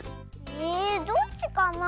えどっちかな？